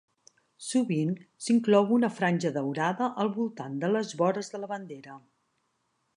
Sovint, s'inclou una franja daurada al voltant de les vores de la bandera.